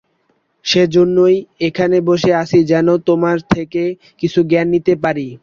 সেজন্যই এখানে বসে আছি যেন তোমার থেকে কিছু জ্ঞান নিতে পারি।